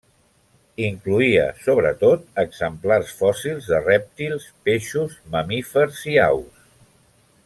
Incloïa, sobretot, exemplars fòssils de rèptils, peixos, mamífers i aus.